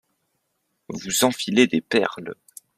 Vous enfilez des perles